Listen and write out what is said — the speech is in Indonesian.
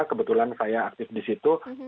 kebetulan saya aktif di situ